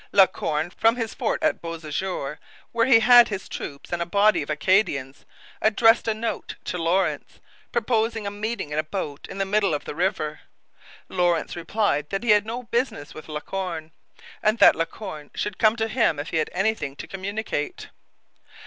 La Corne, from his fort at Beausejour, where he had his troops and a body of Acadians, addressed a note to Lawrence, proposing a meeting in a boat in the middle of the river. Lawrence replied that he had no business with La Corne, and that La Corne could come to him if he had anything to communicate.